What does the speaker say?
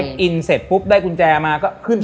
อินเสร็จปุ๊บได้กุญแจมาก็ขึ้นไป